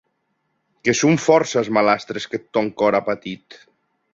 Que son fòrça es malastres qu’eth tòn còr a patit.